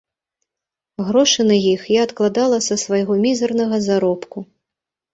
Грошы на іх я адкладала са свайго мізэрнага заробку.